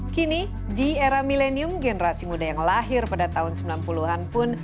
kini di era milenium generasi muda yang lahir pada tahun sembilan puluh an pun